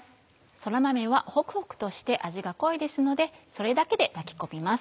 そら豆はホクホクとして味が濃いですのでそれだけで炊き込みます。